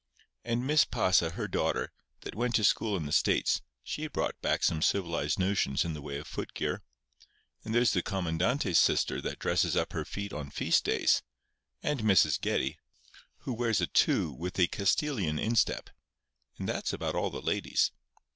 And Miss Pasa, her daughter, that went to school in the States—she brought back some civilized notions in the way of footgear. And there's the comandante's sister that dresses up her feet on feast days—and Mrs. Geddie, who wears a two with a Castilian instep—and that's about all the ladies.